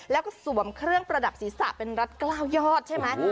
แล้วก็สวมเครื่องประดับศีรษะเป็นรัฐกล้าวยอดใช่ไหม